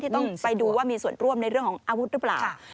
ต้องไปดูว่ามีส่วนร่วมในเรื่องของอาวุธหรือเปล่า